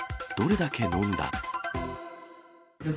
どれだけ飲んだ？